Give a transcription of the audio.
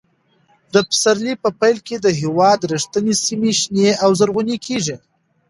د پسرلي په پیل کې د هېواد دښتي سیمې شنې او زرغونې کېږي.